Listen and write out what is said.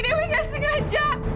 dewi nggak sengaja